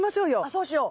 そうしよう。